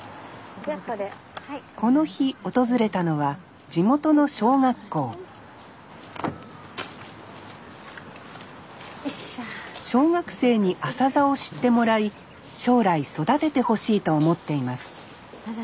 この日訪れたのは地元の小学校小学生にアサザを知ってもらい将来育ててほしいと思っています